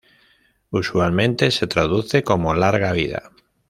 Usualmente se traduce como "¡Larga Vida!